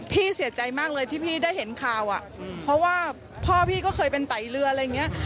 เสียใจมากเลยที่พี่ได้เห็นข่าวอ่ะเพราะว่าพ่อพี่ก็เคยเป็นไตเรืออะไรอย่างนี้